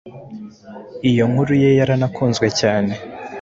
Iyo nkuru ye yaranakunzwe cyane,